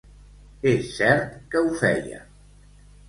És cert que ho feia.